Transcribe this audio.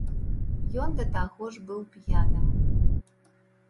Ён да таго ж быў п'яным.